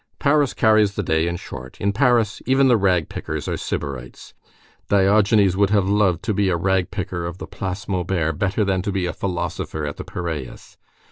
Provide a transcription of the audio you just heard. Paris carries the day, in short. In Paris, even the rag pickers are sybarites; Diogenes would have loved to be a rag picker of the Place Maubert better than to be a philosopher at the Piræus.